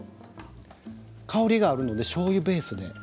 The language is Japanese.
香りがあるのでしょうゆベースで。